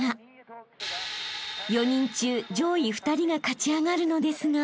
［４人中上位２人が勝ち上がるのですが］